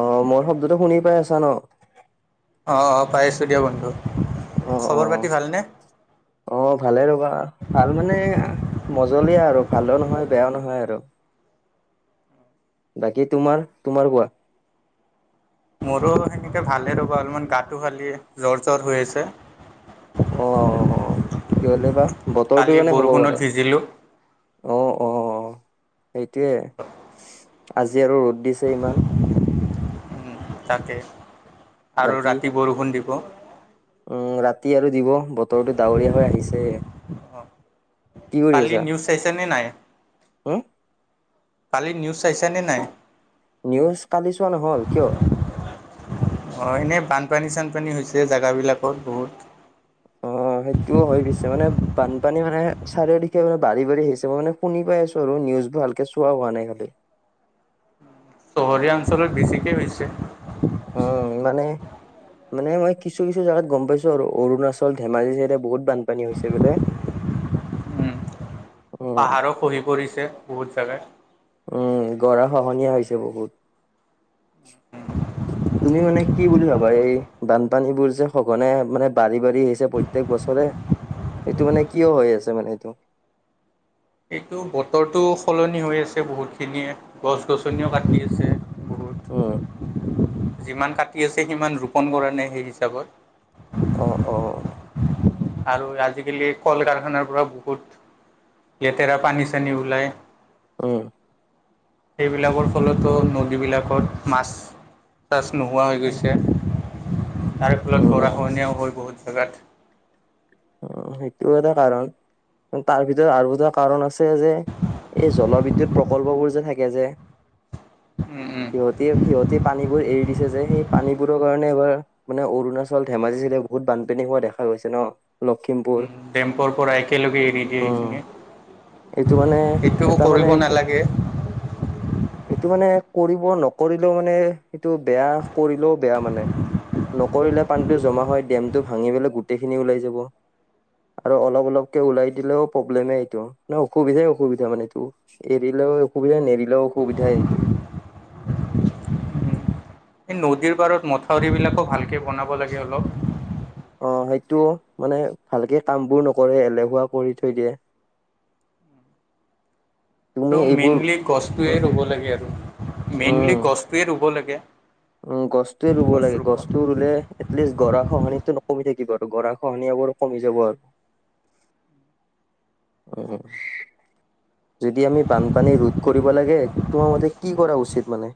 অ' মৰ শব্দটো শুনি পাই আছা ন? অ' অ' পাই আছোঁ দিয়া বন্ধু অ অ খবৰ পাতি ভালনে? অ' ভালে ৰ'বা ভাল মানে এয়া মজলীয়া আৰু ভালো নহয় বেয়াও নহয় আৰু। বাকী তোমাৰ, তোমাৰ কোৱা? মৰো সেনেকে ভালে ৰ'বা অলমান গাটো খালি জ্বৰ, জ্বৰ হৈ আছে। অ'অ'অ' কিহলে বা বতৰটোৰ কালি কাৰণে হ'ব বৰষুণত পাৰে। ভিজিলোঁ অ'অ'সেইটোয়ে আজি আৰু ৰ'দ দিছ ছে ইমান। তাকে আৰু বাকী ৰাতি বৰষুণ দিব। উম ৰাতি আৰু দিব বতৰটো ডাৱৰীয়া হৈ আহিছে। অ কালি নিউজ চাইছা নে নাই? হু? কালি নিউজ চাইছানে নাই? নিউজ কালি চোৱা নহ'ল কিয়? অ এনেই বানপানী-চানপানী হৈছে জেগাবিলাকত বহুত। অ সেইটোও হয় পিছে মানে বানপানী মানে চাৰিওদিশে মানে বাঢ়ি বাঢ়ি আহিছে মই মানে শুনি পাই আছো আৰু নিউজ ভালকে চোৱা হোৱা নাই খালি। চহৰীয়া অঞ্চলত বেছিকে হৈছে। অ ই মানে মানে মই কিছু কিছু জাগাত গম পাইছো আৰু অৰুণাচল, ধেমাজি চাইদে বহুত বানপানী হৈছে বোলে। উম উম পাহাৰো খহি পৰিছে বহুত জেগাত। উম গৰা খহনীয়া হৈছে বহুত। তুমি মানে কি বুলি ভাবা এই বানপানীবোৰ যে সঘনে মানে বাঢ়ি-বাঢ়ি আহিছে প্ৰত্যেক বছৰে এইটো মানে কিয় হৈ আছে মানে এইটো। এইটো বতৰটো সলনি হৈ আছে বহুতখিনিয়ে, গছ-গছনিও কাটি আছে। বহুত। অ। যিমান কাটি আছে সিমান ৰোপণ কৰা নাই সেই হিচাপত। অ অ। আৰু আজিকালি কল কাৰখানাৰ পৰা বহুত লেতেৰা পানী-চানী ওলাই উম। সেইবিলাকৰ ফলতো নদীবিলাকত মাছ তাচ নোহোৱা হৈ উম গৈছে, তাৰে ফলত গৰা উম খহনীয়াও হ'ল বহুত জাগাত। উম সেইটোও এটা কাৰণ তাৰ ভিতৰত আৰু এটা কাৰণ আছে সেই যে এই জলবিদ্যুৎ প্ৰকল্প বোৰ যে থাকে যে সিহঁতে সিহঁতে পানীবোৰ এৰি দিছে যে সেই পানীবোৰৰ কাৰণে এইবাৰ মানে অৰুণাচল আচল ধেমাজিফালে বহুত বানপানী হোৱা দেখা গৈছে ন লখিমপুৰ ডেম্পৰ পৰা একেলগে এৰি দিয়ে উম সেইখিনি। এইটো মানে এইটোও এটা মানে কৰিব এইটো নালাগে। এইটো মানে কৰিব নকৰিলেও মানে এইটো বেয়া কৰিলেও বেয়া মানে। নকৰিলে পানীটো জমা হয় ডেমটো ভাঙি পেলাই গোটেইখিনি ওলাই যাব। আৰু অলপ অলপকে ওলাই দিলেও প্ৰব্লেমে এইটো। অসুবিধাই অসুবিধা মানে এইটো। এৰিলেও অসুবিধা নেৰিলেও অসুবিধাই এইটো। এই নদীৰ পাৰত মথাউৰি বিলাকো ভালকে বনাব লাগে অলপ। অ সেইটো মানে ভালকে কামবোৰ নকৰে এলেহুৱা কৰি থৈ দিয়ে। [unintelligible] তুমি আৰু মেইনলি এইবোৰ গছটোৱে ৰুব লাগে আৰু, মেইনলি উম, গছটোৱে ৰুব লাগে। উম গছটোৱে ৰুব লাগে। গছটো ৰুলে এটলিষ্ট গৰা খহনিয়াটো কমি থাকিব আৰু গৰা খহনীয়া বোৰো কমি যাব আৰু। উম। যদি আমি বানপানী ৰোধ কৰিব লাগে তোমাৰ মতে কি কৰা উচিত মানে?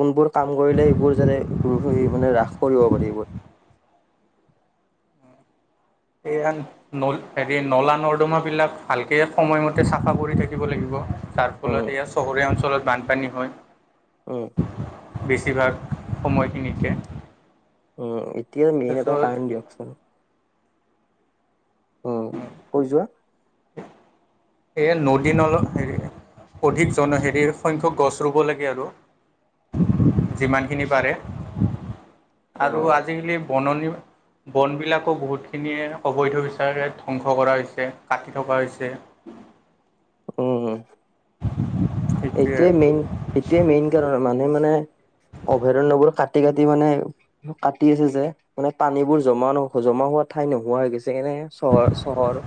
কোনবোৰ কাম কৰিলে এইবোৰ যাতে [unintelligible] মানে হ্ৰাস কৰিব পাৰি এইবোৰ। সেয়া নল তাকে নলা নৰ্দমাবিলাক ভালকে সময়মতে চাফা কৰি থাকিব লাগিব। যাৰ উম, ফলত এয়া বছৰীয়া অঞ্চলত বানপানী হয়। উম। বেছিভাগ সময়খিনিতে। উম, এতিয়া মেইন এটা তাৰপিছত কাৰণ দিয়কচোন। উম, কৈ যোৱা। এই নদী নল হেৰি অধিক জন হেৰি সংখ্যক গছ ৰুব লাগে আৰু। যিমানখিনি পাৰে আৰু উম, আজিকালি বননি বনবিলাকো বহুতখিনিয়ে অবৈধ বিচাৰে ধ্বংস কৰা হৈছে কাটি থকা হৈছে। উম। সেইটোৱে এইটোৱে মেইন এইটোৱে মেইন কাৰণ মানুহে মানে অভয়াৰণ্যবোৰ কাটি কাটি মানে কাটি আছে যে মানে পানীবোৰ জমা ন জমা হোৱা ঠাই নোহোৱা হৈ গৈছে। যেনে চহৰ চহৰ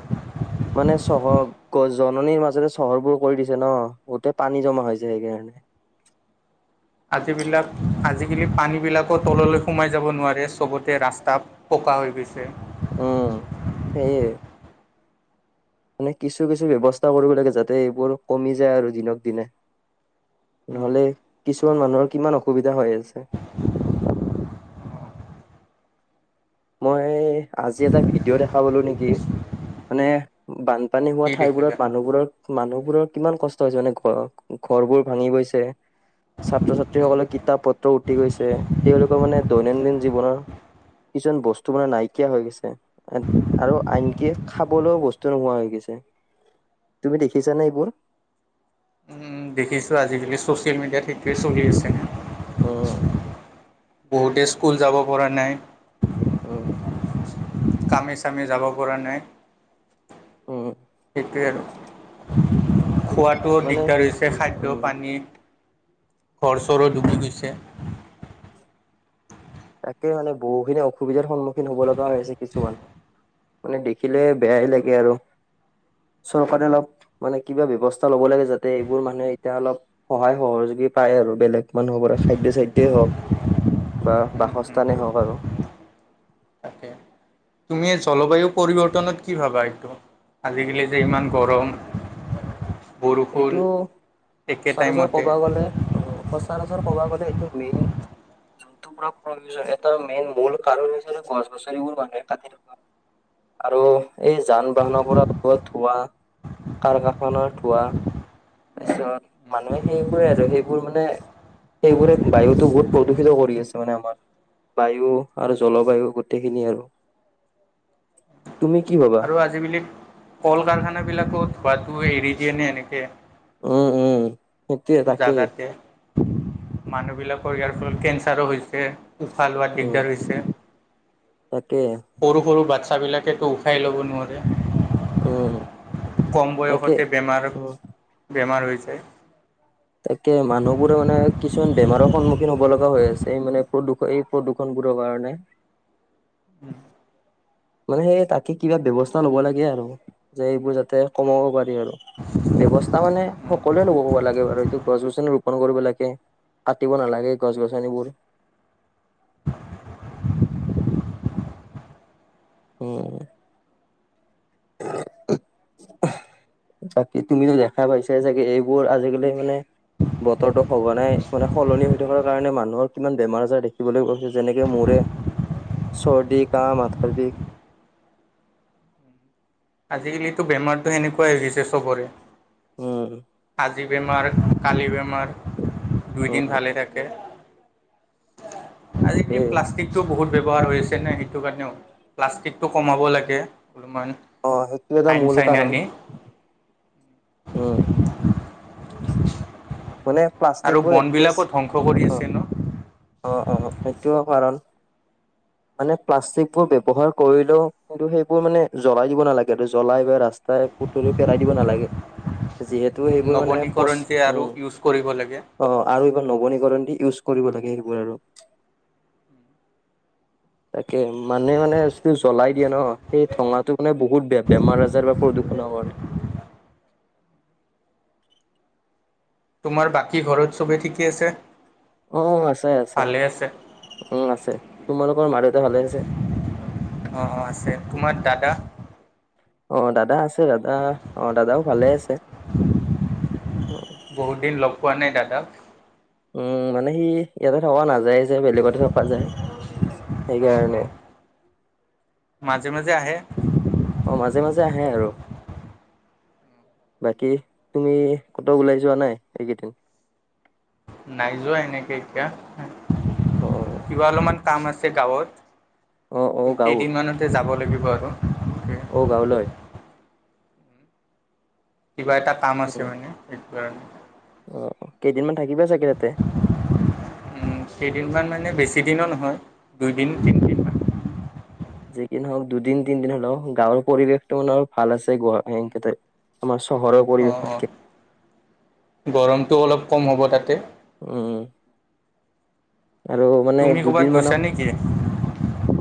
মানে চহৰ গ জননীৰ মাজৰে চহৰবোৰ কৰি দিছে ন গোটেই পানী জমা হৈ যায় সেইকাৰণে। আজিবিলাক আজিকালি পানীবিলাকো তললৈ সোমাই যাব নোৱাৰে চবতে ৰাস্তা পকা হৈ গৈছে। উম, সেয়াই। মানে কিছু কিছু ব্যৱস্থা কৰিব লাগে যাতে এইবোৰ কমি যায় আৰু দিনক দিনে। নহ'লে কিছুমান মানুহৰ কিমান অসুবিধা হৈ আছে। মই আজি এটা ভিডিঅ' দেখা পালো নেকি। মানে বানপানী হোৱা কি দেখিলা? ঠাইবোৰত মানুহবোৰৰ মানুহবোৰৰ কিমান কষ্ট হৈছে মানে ঘ ঘৰবোৰ ভাঙি গৈছে। ছাত্ৰ ছাত্ৰীসকলৰ কিতাপ পত্ৰ উঠি গৈছে। তেওঁলোকৰ মানে দৈনন্দিন জীৱনৰ কিছুমান মান বস্তু মানে নাইকিয়া হৈ গৈছে। আৰু আনকি খাবলৈও বস্তু নোহোৱা হৈ গৈছে। তুমি দেখিছানে এইবোৰ? উম, দেখিছো আজিকালি চ'চিয়েল মিডিয়াত সেইটোৱে চলি আছে। উম বহুতে স্কুল যাব পৰা নাই। উম। কামে চামে যাব পৰা নাই। উম সেইোৱে আৰু খোৱা খোৱাটো মানে দিগদাৰ হৈছে খাদ্য উম পানী ঘৰ চৰো ডুবি গৈছে। তাকে মানে বহুখিনি অসুবিধাৰ সন্মুখীন হ'ব লগা হৈছে কিছু মানুহ। মানে দেখিলে বেয়াই লাগে আৰু চৰকাৰে অলপ মানে কিবা ব্যৱস্থা ল'ব লাগে যাতে এইবোৰ মানুহে এতিয়া অলপ সহায় সহযোগী পায় আৰু বেলেগ মানুহৰ পৰা খাদ্যয় চাদ্যয়েই হওঁক বা বাসস্থানেই হওঁক আৰু। তাকে। তুমি জলবায়ু পৰিৱৰ্তনত কি ভাবা এইটো? আজিকালি যে ইমান গৰম। বৰষুণ এইটো একে টাইমতে। অ', সচৰাচৰ ক'ব গ'লে এইটো মেইন জন্তু পুৰা প্ৰয়োজন এটা মেইন মূল কাৰণ হৈছে গছ গছনিবোৰ মানুহে কাটি থকা আৰু এই যান বাহনৰ পৰা ওলোৱা ধোঁৱা কাৰ কাৰখানাৰ ধোঁৱা। তাৰপিছত মানুহে সেইবোৰে আৰু সেইবোৰ মানে সেইবোৰে বায়ুতো বহুত প্ৰদূষিত কৰি আছে মানে আমাৰ বায়ু আৰু জলবায়ু গোটেইখিনি আৰু। তুমি কি ভাবা আজি কালি কল কাৰখানাবিলাকত ধোৱাটো এৰি দিয়েনে এনেকে উম, উম সেইটোয়ে তাকে জাগাতে মানুহ বিলাকৰ ইয়াৰ ফলত কেঞ্চাৰো হৈছে। উশাহ লোৱাত উম দিগদাৰ হৈছে। তাকে সৰু সৰু বাচ্ছাবিলাকেতো উশাই ল'ব নোৱাৰে। উম কম তাকে বয়সতে বেমাৰ, উম বেমাৰ হৈ যায়। তাকে মানুহবোৰে মানে কিছুমান বেমাৰৰ সন্মুখীন হ'ব লগা হৈ আছে এই মানে প্ৰদূষণ এই প্ৰদূষণবোৰৰ কাৰণে [inaudible] মানে সেই তাকে কিবা ব্যৱস্থা লব লাগে আৰু যে এইবোৰ যাতে কমাব পাৰি আৰু ব্যৱস্থা মানে সকলোৱে লব লাগে বাৰু। গছ গছনি ৰোপন কৰিব লাগে, কাটিব নালাগে গছ গছনিবোৰ। উম উ উ উহ বাকী তুমিতো দেখা পাইছা ছাগে এইবোৰ আজিকালি মানে বতৰতো সঘনাই মানে সলনি হৈ থকাৰ কাৰণে মানুহৰ কিমান বেমাৰ আজাৰ দেখিবলৈ গৈছে যেনেকে মোৰে অ ৰ্চদি, কাঁহ, মাথাবিষ। আজিকালিতো বেমাৰতো সেনেকোৱাই হৈ গৈছে চ'বৰে। উম। আজি বেমাৰ, কালি বেমাৰ, দুই দিন উম ভালে থাকে। আজি কি তাকেই প্লা ষ্টিকটো বহুত ব্যৱহাৰ হৈ আছেনে সেইটো কাৰণেও প্লাষ্টিকটো কমাব লাগে অলপমান অ সেইটো এটা আইন মূল চাইন কাৰণ আনি উম। মানে আৰু প্লাষ্টিকবোৰ একেচ, বনবিলাকো ধ্বংস কৰি অ আছে ন অ অ সেইটোও কাৰণ। মানে প্লাষ্টিকবোৰ ব্যৱহাৰ কৰিলেও কিন্তু সেইবোৰ মানে জ্বলাই দিব নালাগে, এইটো জ্বলাই বা ৰাস্তাই পুৰি পেলাই দিব নালাগে। যিহেতু সেইবোৰ মানে পচ নৱনীকৰণ যে আৰু উম ইউজ কৰিব লাগে। অ আৰু এইবাৰ নৱনীকৰণ দি ইউজ কৰিব লাগে সেইবোৰ আৰু। তাকে মানে মানে যিটো জ্বলাই দিয়ে ন, সেই ঠঙাটো মানে বহুত বেয়া বেমাৰ আজাৰ বা প্ৰদূষণৰ কাৰণে। তোমাৰ বাকী ঘৰত চবেই ঠিকেই আছে? অ আছে আছে অ আছে, তোমালোকৰ মা দেউতা ভালে আছে? অ অ আছে তোমাৰ দাদা অ দাদা আছে, দাদা অ দাদাও ভালে আছে, অ'। বহুত দিন লগ পোৱা নাই দাদাক। উম মানে সি ইয়াতে থকা নাযায়ে যে বেলেগতে থকা যায় অঁ সেইকাৰণে। অঁ মাজে মাজে আহে। অ মাজে মাজে আহে আৰু। বাকী তুমি কতো ওলাই যোৱা নাই এইকেইদিন? নাই যোৱা এনেকে এতিয়া। অহ'। কিবা অলপমান কাম আছে গাঁৱত, অ', অ', গাঁৱত কেইদিনমানতে যাব লাগিব আৰু। অঁ, গাঁওলৈ? কিবা এটা কাম আছে মানে, সেইটো কাৰণে। অঁ, কেইদিন মান থাকিবা চাগে ইয়াতে। উম, কেইদিনমান মানে বেছি দিনো নহয়, দুইদিন- তিন। যি কি নহওঁক, দুদিন -তিনদিন হ'লেও গাঁৱৰ পৰিৱেশটো মানে ভাল আছে গুৱাহাটীত কেতে। আমাৰ চহৰৰ অঁ অঁ পৰিৱেশতকে। গৰমটো অলপ কম হ'ব তাতে। উম। আৰু মানে তুমি ক'ৰবাত দুদিন গৈছা মানৰ- নেকি?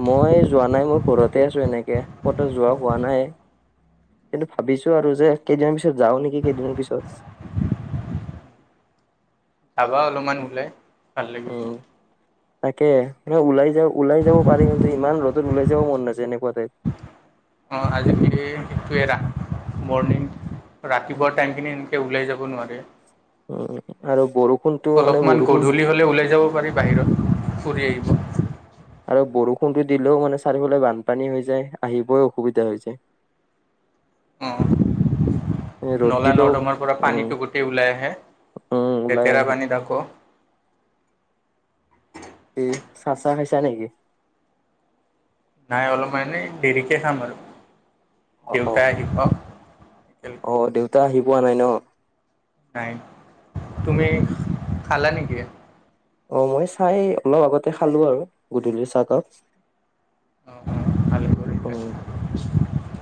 মই যোৱা নাই, মই ঘৰতে আছো এনেকে, ক'তো যোৱা হোৱা নাই। কিন্তু ভাবিছো আৰু যে কেইদিনমানৰ পিছত যাওঁ নেকি, কেইদিনমান পিছত? যাবা অলপমান ওলাই, ভাল লাগিব। উম, তাকে মানে ওলাই যা ওলাই যাব পাৰে, কিন্তু ইমান ৰ'দত ওলাই যাব মন নাযায় এনেকুৱাতে। অঁ, আজিকালি সেইটোৱে, মৰ্ণিং ৰাতিপুৱা উম টাইমখিনি- ওলাই যাব নোৱাৰে। উম আৰু বৰষুণটো মানে অলপমান বৰষুণ- গধূলি ওলাই যাব পাৰি বাহিৰত, ফুৰি আহিব। আৰু বৰষুণটো দিলেও মানে চাৰিওফালে বানপানী হৈ যায়, আহিবই অসুবিধা হৈ যায়। অহ। ৰ'দ নলা দিলেও -নৰ্দমাৰ পৰা উম পানীটো গোটেই ওলাই আহে, উম ওলাই লেতেৰা আহে পানী তাকো। এই চাচা খাইছা নেকি? নাই, অলপ মানে দেৰিকৈ খাম আৰু দেউতাই আহি পাওঁক। অঁ', দেউতা আহি পোৱা নাই ন? নাই, তুমি খালা নেকি? অঁ, মই চাহ এই অলপ আগতে খালো আৰু গধূলিৰ চাহ কাপ। অ ভালে কৰিলা অঁ,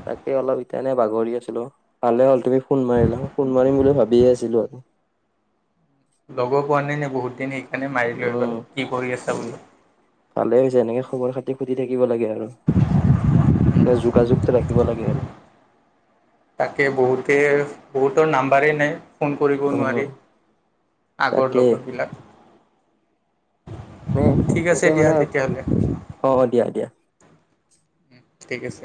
তাকে অলপ- এনে বাগৰি আছিলো, ভালে হ'ল তুমি ফোন মাৰিলা, ফোন মাৰিম বুলি ভাবিয়ে আছিলো আৰু। লগো পোৱা নাই না বহুত দিন সেইকাৰণে মাৰিলো উম একবাৰ, কি কৰি আছা উম। বোলো? ভালে হৈছে এনেকে খবৰ খাতি সুধি থাকিব লাগে আৰু মানে যোগাযোগটো ৰাখি- ৰাখিব লাগে আৰু। তাকে বহুতে বহুতৰ নাম্বাৰেই নাই। ফোন কৰিবও নোৱাৰি উম আগৰ তাকে লগৰ বিলাক। ঠিক আছে দিয়া তেতিয়া হ'লে। অঁ, অঁ, দিয়া, দিয়া। ঠিক আছে।